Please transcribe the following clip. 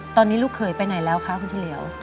ตอนนี้ลูกเขยไปไหนแล้วคะคุณเฉลี่ยว